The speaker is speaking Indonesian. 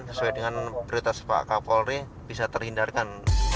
sesuai dengan berita sepak kapolri bisa terhindarkan